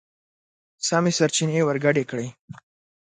سمې سرچينې ورګډې کړئ!.